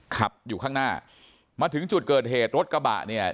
ขับอยู่ข้างหน้ามาถึงจุดเกิดเหตุรถกระบะเนี่ย